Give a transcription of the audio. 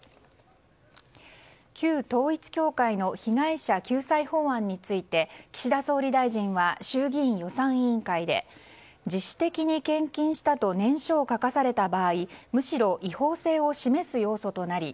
旧統一教会の被害者救済法案について岸田総理大臣は衆議院予算委員会で自主的に献金したと念書を書かされた場合むしろ違法性を示す要素となり